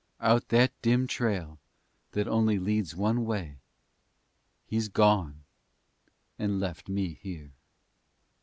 Out that dim trail that only leads one way He's gone and left me here!